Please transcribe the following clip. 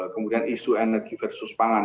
kemudian isu energi versus pangan